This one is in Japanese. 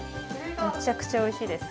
むちゃくちゃおいしいです。